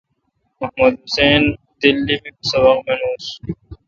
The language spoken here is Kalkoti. محمد حسین دیلی می سبق منس۔